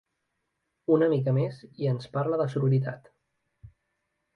Una mica més i ens parla de sororitat!